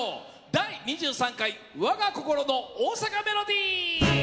「第２３回わが心の大阪メロディー」。